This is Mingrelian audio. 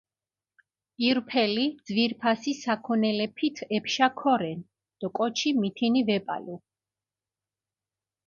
ირფელი ძვირფასი საქონელეფით ეფშა ქორენ დო კოჩი მითინი ვეპალუ.